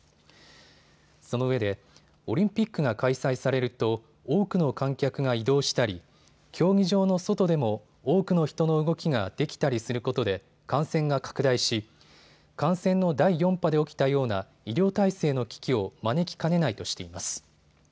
そのうえでオリンピックが開催されると、多くの観客が移動したり競技場の外でも多くの人の動きができたりすることで感染が拡大し感染の第４波で起きたような医療体制の危機を招きかねないとしています。